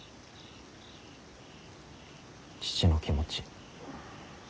父の気持ち